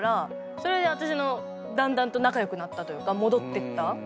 それで私のだんだんと仲良くなったというか戻ってった。